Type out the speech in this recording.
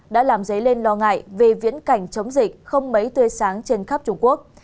đã làm dấy lên lo ngại về viễn cảnh chống dịch không mấy tươi sáng trên khắp trung quốc